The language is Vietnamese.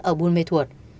ở buôn mê thuột